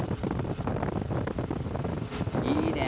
「いいね！」